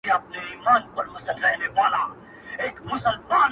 معشوقې په بې صبري کي کله چا میندلي دینه!